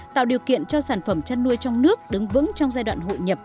tạo điều kiện cho sản phẩm chăn nuôi trong nước đứng vững trong giai đoạn hội nhập